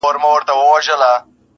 دوه یاران سره ملګري له کلونو،